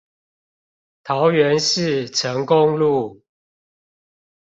桃園市成功路